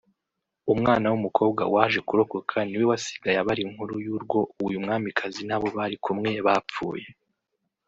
umwana w’umukobwa waje kurokoka niwe wasigaye abara inkuru y’urwo uyu mwamikazi n’abo bari kumwe bapfuye